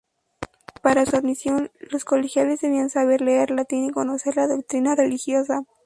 Para su admisión los colegiales debían saber leer latín y conocer la doctrina religiosa.